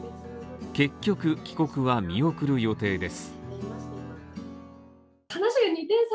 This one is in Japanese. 結局、帰国は見送る予定です。